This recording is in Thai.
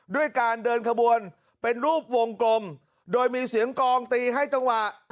ด้วยการเดินขบวนเป็นรูปวงกลมโดยมีเสียงกองตีให้จังหวะ